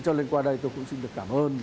cho nên qua đây tôi cũng xin được cảm ơn